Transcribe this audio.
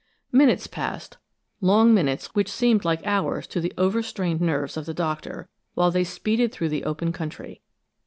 Minutes passed, long minutes which seemed like hours to the overstrained nerves of the Doctor, while they speeded through the open country.